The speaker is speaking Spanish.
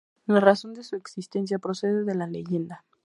La razón de su existencia procede de la leyenda.